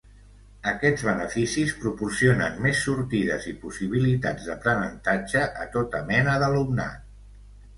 Aquests beneficis proporcionen més sortides i possibilitats d'aprenentatge a tota mena d'alumnat.